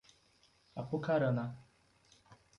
Apucarana